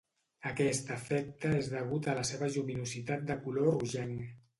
Aquest efecte és degut a la seva lluminositat de color rogenc.